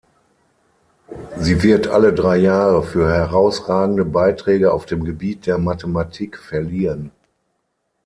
Sie wird alle drei Jahre für herausragende Beiträge auf dem Gebiet der Mathematik verliehen.